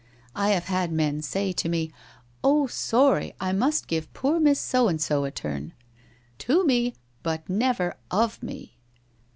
I have had men say to me, " Oh, sorry, I must give poor Miss So and so a turn !,: To me, but never of me